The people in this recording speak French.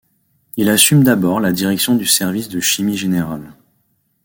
Il assume d'abord la direction du service de Chimie générale.